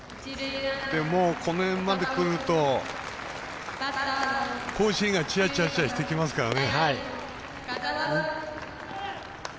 この辺までくると甲子園がチラチラしてきますからね。